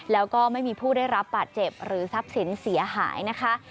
แล้วก็ไม่มีผู้ได้รับบาดเจ็บหรือทรัพย์สินเสียหายนะคะ